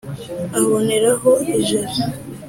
aboneraho ijeri.